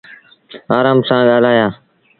آرآم سآݩ ڳآلآيآ